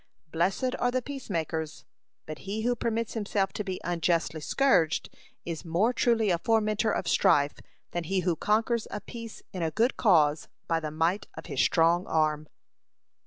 "Blessed are the peacemakers," but he who permits himself to be unjustly scourged is more truly a fomenter of strife than he who conquers a peace in a good cause by the might of his strong arm.